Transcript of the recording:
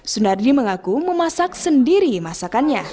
sunardi mengaku memasak sendiri masakannya